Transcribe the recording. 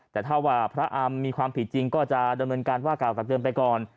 แต่ถ้าว่าพระอำมีความผิดจริงก็จะดำเนินการว่ากล่าวตักเตือนไปก่อน